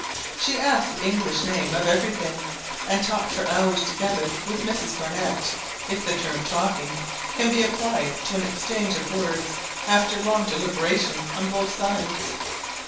She asked the English name of everything, and talked for hours together with Mrs Barnett, if the term "talking" can be applied to an exchange of words after long deliberation on both sides.